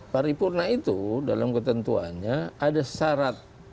paripurna itu dalam ketentuannya ada syarat